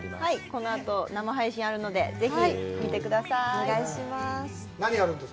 このあと、生配信あるので、ぜひ、見てください。